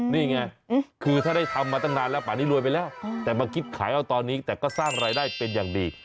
นี่ไงคือถ้าได้ทำมาตั้งนานแล้วป่านี้รวยไปแล้วแต่มาคิดขายเอาตอนนี้แต่ก็สร้างรายได้เป็นอย่างดี